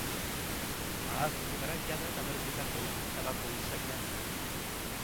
Ahaztu gara jada tabernetako tabako usainaz.